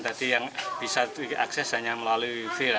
tadi yang bisa diakses hanya melalui feel